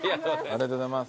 ありがとうございます。